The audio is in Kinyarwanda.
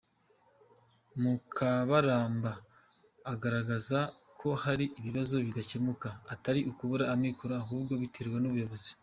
Mukabaramba agaragaza ko hari ibibazo bidakemuka atari ukubura amikoro ahubwo biterwa n’ aboyobozi.